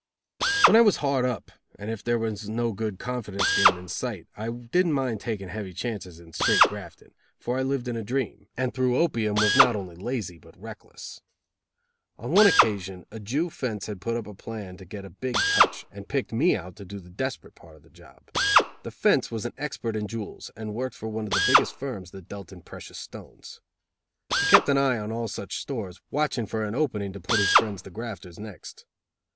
When I was hard up, and if there was no good confidence game in sight, I didn't mind taking heavy chances in straight grafting; for I lived in a dream, and through opium, was not only lazy, but reckless. On one occasion a Jew fence had put up a plan to get a big touch, and picked me out to do the desperate part of the job. The fence was an expert in jewels and worked for one of the biggest firms that dealt in precious stones. He kept an eye on all such stores, watching for an opening to put his friends the grafters "next."